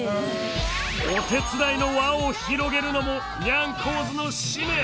お手伝いの輪を広げるのもニャンコーズの使命！